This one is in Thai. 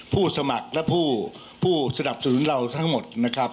ผู้สมัครและผู้สนับสนุนเราทั้งหมดนะครับ